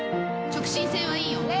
直進性はいいよ。